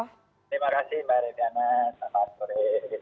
terima kasih mbak retyana